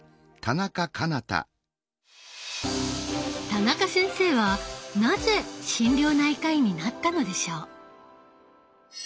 田中先生はなぜ心療内科医になったのでしょう？